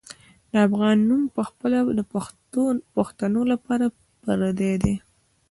د افغان نوم پخپله د پښتنو لپاره پردی دی.